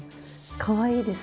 かわいいです。